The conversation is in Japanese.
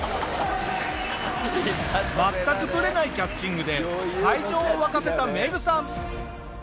全くブレないキャッチングで会場を沸かせたメグさん。